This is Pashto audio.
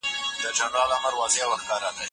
ممکن ټولنپوهنه د ټولنې په اصلاح کې مرسته وکړي.